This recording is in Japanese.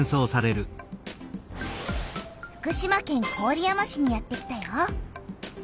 福島県郡山市にやってきたよ。